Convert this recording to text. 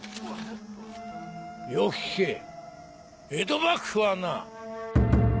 よく聞け江戸幕府はな！